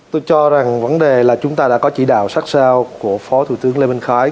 tôi cho rằng vấn đề là chúng ta đã có chỉ đạo sát sao của phó thủ tướng lê minh khái